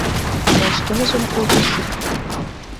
— Ана шкенжым утыр сырыкта.